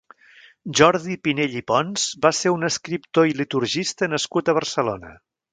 Jordi Pinell i Pons va ser un escriptor i liturgista nascut a Barcelona.